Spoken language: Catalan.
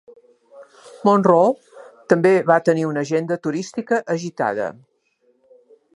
Monroe també va tenir una agenda turística agitada.